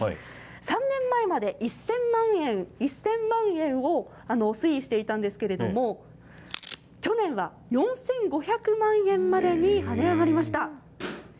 ３年前まで１０００万円を推移していたんですけれども、去年は４５００万円までにはね上がりました。